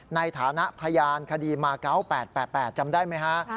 ในฐานะพยานคดีมาเก้า๘๘๘จำได้ไหมครับ